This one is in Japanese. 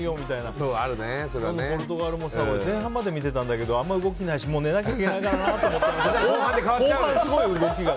昨日のポルトガルもさ前半まで見ていたんだけどあんまり動きないし寝なきゃいけないからなと思って後半、すごい動きが。